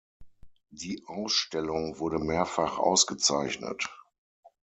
Die Ausstellung wurde mehrfach ausgezeichnet.